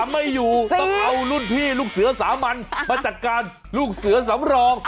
ไม่อยู่ต้องเอารุ่นพี่ลูกเสือสามัญมาจัดการลูกเสือสำรอง